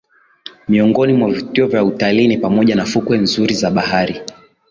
Miongoni vya vivutio vya utalii ni pamoja na fukwe nzuri za bahari